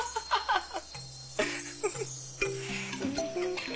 ハハハハ。